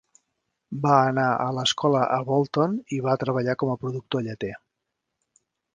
Va anar a l"escola a Bolton i va treballar com productor lleter.